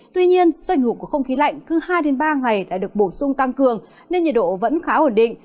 tuy nhiên do ảnh hưởng của không khí lạnh cứ hai ba ngày đã được bổ sung tăng cường nên nhiệt độ vẫn khá ổn định